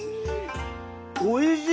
おいしい！